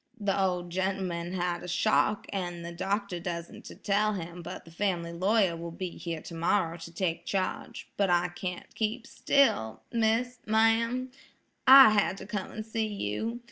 "The ol' gent'man's had shock, an' the doctor dassent to tell him, but the family lawyer will be here tomorrow to take charge; but I can't keep still, miss,–ma'am–I had to come an' see you.